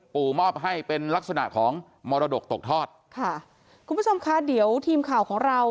มอบให้เป็นลักษณะของมรดกตกทอดค่ะคุณผู้ชมคะเดี๋ยวทีมข่าวของเรา